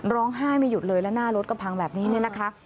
ร้องไห้ไม่หยุดเลยและหน้ารถกระพังแบบนี้นะคะ